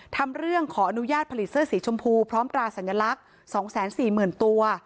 ทำเรื่องขออนุญาตผลิตเสื้อสีชมพูพร้อมตราสัญลักษณ์๒๔๐๐๐ตัว